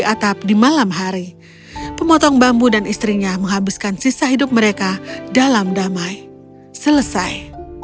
atap di malam hari pemotong bambu dan istrinya menghabiskan sisa hidup mereka dalam damai selesai